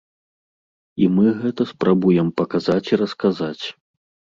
І мы гэта спрабуем паказаць і расказаць.